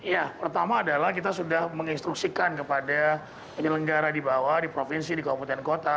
ya pertama adalah kita sudah menginstruksikan kepada penyelenggara di bawah di provinsi di kabupaten kota